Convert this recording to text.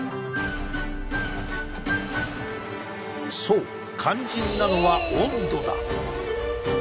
そう肝心なのは温度だ！